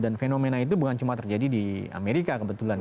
dan fenomena itu bukan cuma terjadi di amerika kebetulan